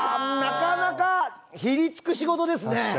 なかなかひりつく仕事ですね。